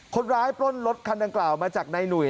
คนร้ายปล้นรถคันดังกล่าวมาจากนายหนุ่ย